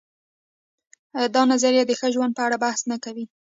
دا نظریه د ښه ژوند په اړه بحث نه کوي.